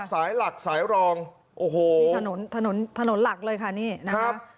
สายหลักสายรองโอ้โหนี่ถนนถนนถนนหลักเลยค่ะนี่นะครับ